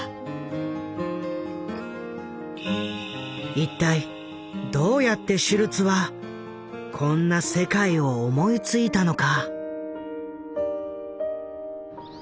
一体どうやってシュルツはこんな世界を思いついたのか？